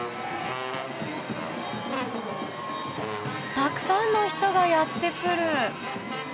たくさんの人がやって来る。